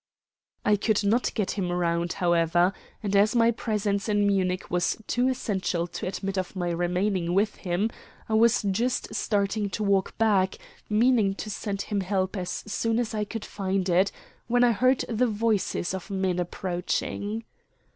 I could not get him round, however; and as my presence in Munich was too essential to admit of my remaining with him, I was just starting to walk back, meaning to send him help as soon as I could find it, when I heard the voices of men approaching.